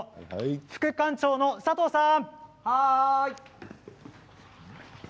副館長の佐藤さん！